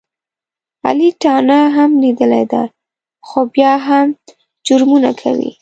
علي تاڼه هم لیدلې ده، خو بیا هم جرمونه کوي.